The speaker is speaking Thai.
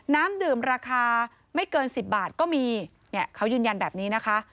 น้ำดื่มราคาไม่เกิน๑๐บาทก็มีเนี่ยเขายืนยันแบบนี้นะคะ